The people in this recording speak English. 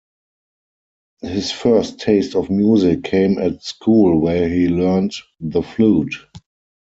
His first taste of music came at school where he learned the flute.